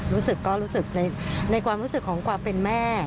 รู้สึกก็รู้สึกในความรู้สึกของความเป็นแม่